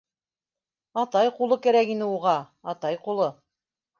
Атай ҡулы кәрәк ине уға, атай ҡулы.